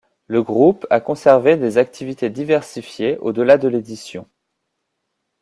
Le groupe a conservé des activités diversifiées au-delà de l'édition.